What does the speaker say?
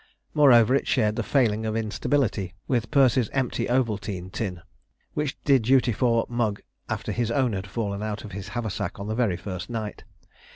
Moreover, it shared the failing of instability with Perce's empty ovaltine tin, which did duty for mug after his own had fallen out of his haversack on the very first night.